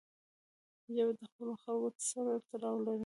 ژبه د خپلو خلکو سره تړاو لري